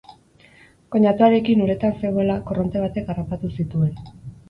Koinatuarekin uretan zegoela, korronte batek harrapatu zituen.